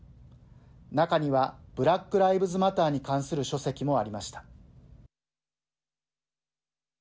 中にはブラック・ライブズ・マターに関する書籍もありました。